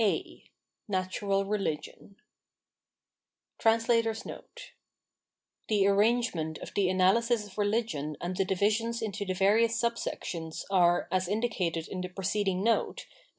A Natural Religion [The arrangement of the analysis of Religion and the divisions into the various subsections are, as indicated in the preceding note (p.